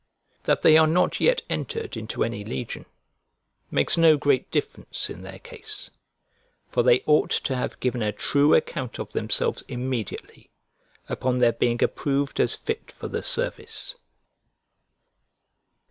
That they are not yet entered into any legion, makes no great difference in their case; for they ought to have given a true account of themselves immediately, upon their being approved as fit for the service.